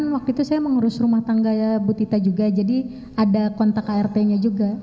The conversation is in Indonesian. waktu itu saya mengurus rumah tangga bu tita juga jadi ada kontak art nya juga